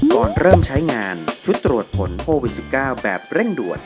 ก่อนเริ่มใช้งานชุดตรวจผลโควิด๑๙แบบเร่งด่วน